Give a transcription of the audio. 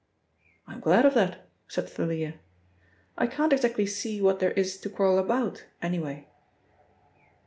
"I'm glad of that," said Thalia. "I can't exactly see what there is to quarrel about, anyway."